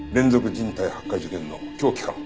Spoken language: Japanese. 人体発火事件の凶器か？